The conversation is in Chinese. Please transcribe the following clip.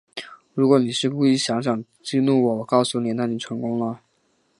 如果你是故意想想激怒我，我告诉你，那你成功了